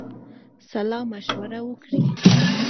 سلامشوره وکړی.